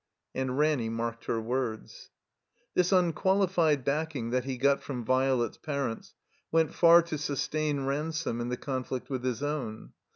And Ranny marked her words. This imquaUfied backing that he got from Violet's parents went far to sustain Ransome in the conflict with his own.